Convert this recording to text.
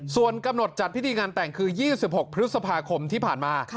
ส่วนกำหนดจัดพิธีงานแต่งคือ๒๖พฤษภาคมที่ผ่านมา